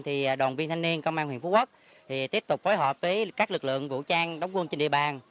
thì đoàn viên thanh niên công an huyện phú quốc tiếp tục phối hợp với các lực lượng vũ trang đóng quân trên địa bàn